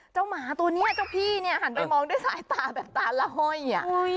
หมาตัวนี้เจ้าพี่เนี่ยหันไปมองด้วยสายตาแบบตาละห้อย